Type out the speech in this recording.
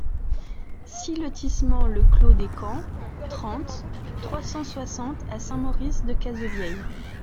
six lotissement le Clos des Camps, trente, trois cent soixante à Saint-Maurice-de-Cazevieille